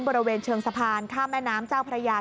บริเวณเชิงสะพานข้ามแม่น้ำเจ้าพระยา